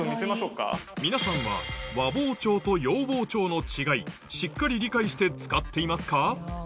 皆さんは和包丁と洋包丁の違いしっかり理解して使っていますか？